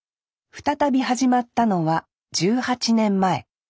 再び始まったのは１８年前。